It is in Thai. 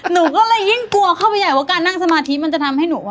หนูก็เลยยิ่งกลัวเข้าไปใหญ่ว่าการนั่งสมาธิมันจะทำให้หนูว่า